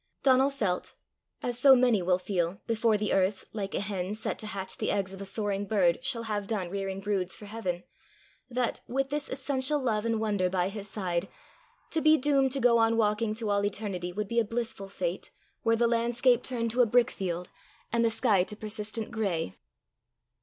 Donal felt as so many will feel, before the earth, like a hen set to hatch the eggs of a soaring bird, shall have done rearing broods for heaven that, with this essential love and wonder by his side, to be doomed to go on walking to all eternity would be a blissful fate, were the landscape turned to a brick field, and the sky to persistent gray.